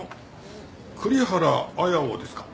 栗原綾をですか？